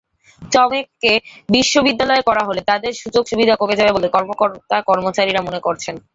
চমেককে বিশ্ববিদ্যালয় করা হলে তাঁদের সুযোগ-সুবিধা কমে যাবে বলে কর্মকর্তা-কর্মচারীরা মনে করছেন।